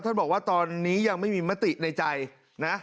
บอกว่าตอนนี้ยังไม่มีมติในใจนะ